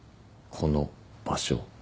「この」「場所」